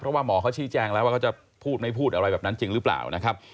เพราะว่าหมอเขาชี้แจงแล้วว่าเขาจะพูดไม่พูดอะไรแบบนั้นจริงหรือเปล่านะครับ